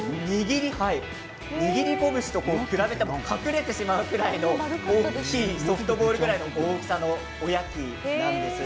握り拳と比べても隠れてしまうぐらいの大きいソフトボールぐらいの大きさのおやきなんです。